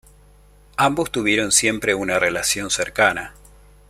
Ambos tuvieron siempre una relación cercana.